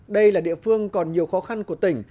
đây là địa phương còn nhiều khó khăn của tỉnh